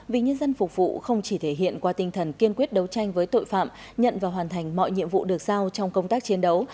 vì nhân dân phục vụ không chỉ thể hiện qua tinh thần kiên quyết đấu tranh với tội phạm nhận và hoàn thành mọi nhiệm vụ được sao trong công tác chiến đấu